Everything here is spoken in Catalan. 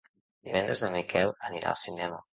Divendres en Miquel anirà al cinema.